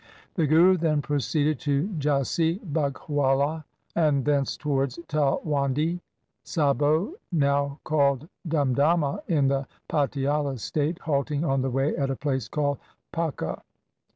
The Guru then proceeded to Jassi Baghwali and thence towards Talwandi Sabo, now called Dam dama, in the Patiala state, halting on the way at a place called Pakka.